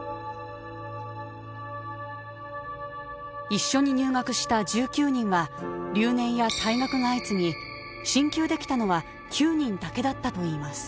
一緒に入学した１９人は留年や退学が相次ぎ進級できたのは９人だけだったといいます。